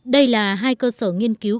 đây là hai cơ sở nghiên cứu